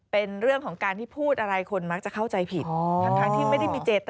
เป็นเรื่องของการที่พูดอะไรคนมักจะเข้าใจผิด